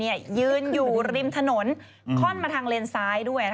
ยืนอยู่ริมถนนค่อนมาทางเลนซ้ายด้วย